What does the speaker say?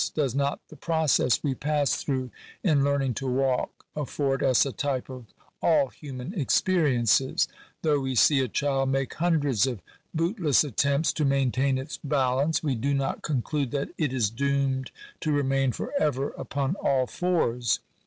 Does not the process we pass through in learning to walk afford us a type of all human experiences ? Though we see a child make hundreds of boot less attempts to maintain its balance, we do not conclude that it is doomed to remain for ever upon all fours.